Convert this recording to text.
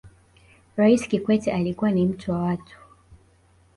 raisi kikwete alikuwa ni mtu wa watu